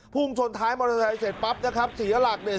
พุ่งชนท้ายมอเตอร์ไซค์เสร็จปั๊บนะครับเสียหลักเนี่ย